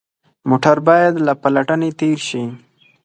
موټر باید له پلټنې تېر شي.